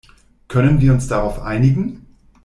Können wir uns darauf einigen?